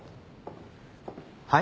はい？